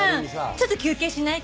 ちょっと休憩しない？